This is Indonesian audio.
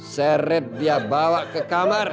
seret dia bawa ke kamar